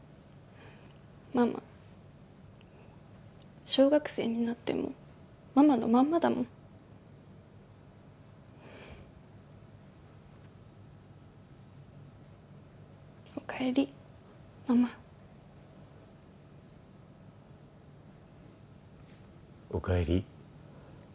ママ小学生になってもママのまんまだもんお帰りママお帰り